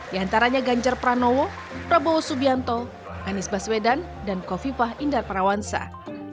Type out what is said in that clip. diantaranya ganjar pranowo prabowo subianto anies baswedan dan kofi fah indar parawansyah